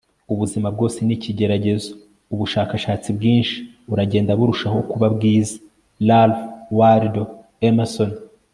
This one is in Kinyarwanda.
ubuzima bwose ni ikigeragezo. ubushakashatsi bwinshi uragenda burushaho kuba bwiza. - ralph waldo emerson